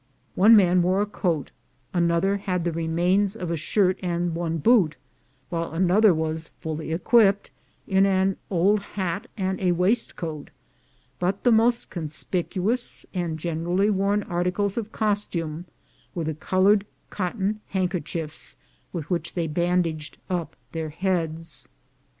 One man wore a coat, an other had the remains of a shirt and one boot, while another was fully equipped in an old hat and a waist coat: but the most conspicuous and generally worn articles of costume were the colored cotton handker chiefs with which they bandaged up their heads.